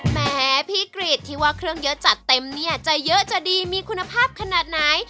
แม้พี่กรีดที่ว่าเครื่องเยอะจัดเต็มเนี่ยจะเยอะจะดีมีคุณภาพขนาดไหน